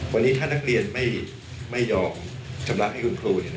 วันนี้ถ้านักเรียนไม่ยอมชำระให้คุณครู